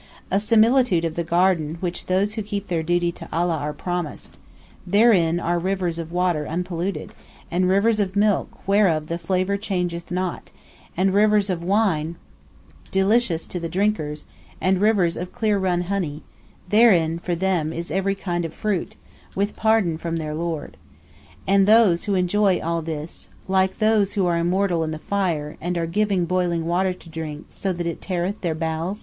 P: A similitude of the Garden which those who keep their duty (to Allah) are promised: Therein are rivers of water unpolluted, and rivers of milk whereof the flavour changeth not, and rivers of wine delicious to the drinkers, and rivers of clear run honey; therein for them is every kind of fruit, with pardon from their Lord. (Are those who enjoy all this) like those who are immortal in the Fire and are given boiling water to drink so that it teareth their bowels?